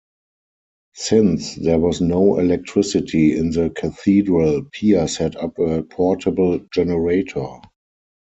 Since there was no electricity in the cathedral, Pia set up a portable generator.